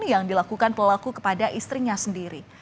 yang dilakukan pelaku kepada istrinya sendiri